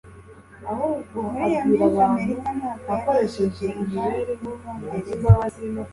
muri iyo minsi, amerika ntabwo yari yigenga mu bwongereza